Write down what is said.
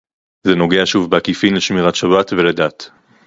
זה נוגע שוב בעקיפין לשמירת שבת ולדת